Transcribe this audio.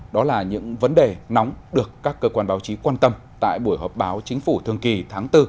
đó là những vấn đề nóng được các cơ quan báo chí quan tâm tại buổi họp báo chính phủ thường kỳ tháng bốn